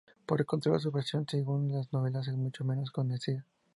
Por el contrario, su versión según las novelas, es mucho menos conocida.